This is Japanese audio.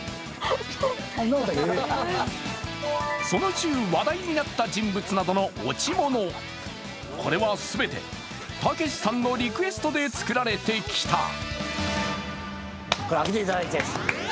その週話題になった人物などの落ちモノ、これは全て、たけしさんのリクエストで作られてきた。